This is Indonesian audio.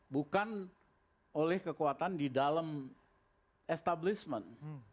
bukan oleh kekuatan di dalam establishment